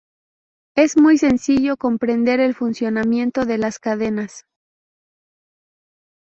Es muy sencillo comprender el funcionamiento de las cadenas.